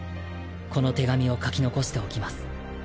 この手紙を書き残しておきます。